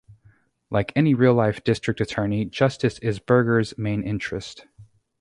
Like any real-life district attorney, justice is Burger's main interest.